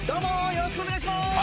よろしくお願いします。